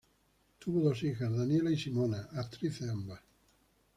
Tuvo dos hijas: Daniela y Simona, actrices ambas.